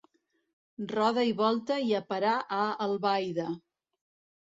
Roda i volta i a parar a Albaida.